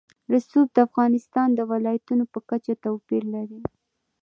رسوب د افغانستان د ولایاتو په کچه توپیر لري.